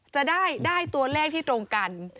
จะได้ตัวเลขที่ตรงกัน